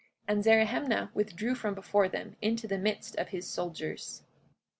And Zerahemnah withdrew from before them into the midst of his soldiers.